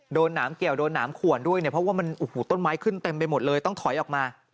หนามเกี่ยวโดนหนามขวนด้วยเนี่ยเพราะว่ามันโอ้โหต้นไม้ขึ้นเต็มไปหมดเลยต้องถอยออกมา